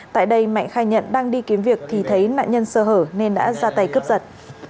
tại đây mạnh khai nhận đang đi kiếm việc thì thấy nạn nhân sơ hở nên đã ra tay cướp giật